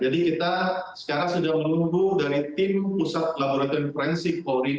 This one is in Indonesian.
jadi kita sekarang sudah menunggu dari tim pusat laboratorium korensi kori